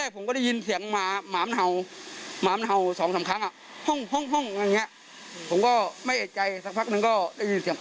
ผมก็ไม่เอกใจสักพักหนึ่งก็ได้ยินเสียง